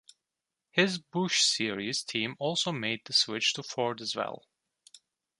His Busch Series team also made the switch to Ford as well.